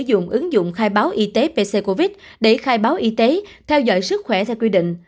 dụng ứng dụng khai báo y tế về covid một mươi chín để khai báo y tế theo dõi sức khỏe theo quy định